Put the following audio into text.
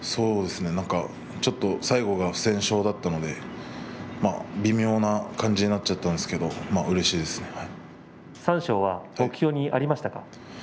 ちょっと最後が不戦勝だったので微妙な感じになっちゃったんですけど三賞は目標にありましたか？